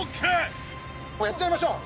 もうやっちゃいましょう。